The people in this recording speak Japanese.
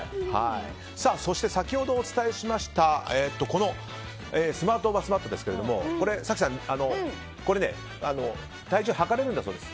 そして、先ほどお伝えしましたスマートバスマットですが早紀さん体重を測れるんだそうです。